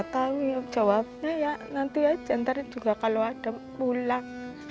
gak tau ya jawabnya ya nanti aja nanti juga kalau ada pulak